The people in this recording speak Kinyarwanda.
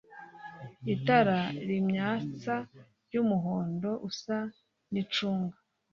itara rimyatsa ry umuhondo usa nicunga